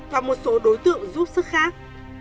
và một số đối tượng giúp sức khác